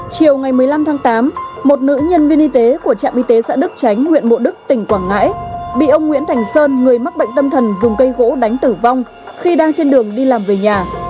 chiều ngày một mươi năm tháng tám một nữ nhân viên y tế của trạm y tế xã đức tránh huyện mộ đức tỉnh quảng ngãi bị ông nguyễn thành sơn người mắc bệnh tâm thần dùng cây gỗ đánh tử vong khi đang trên đường đi làm về nhà